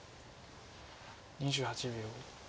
２８秒。